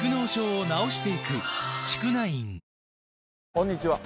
こんにちは。